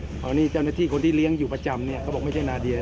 เพราะนี่เจ้าหน้าที่คนที่เลี้ยงอยู่ประจำเนี่ยเขาบอกไม่ใช่นาเดีย